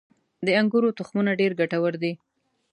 • د انګورو تخمونه ډېر ګټور دي.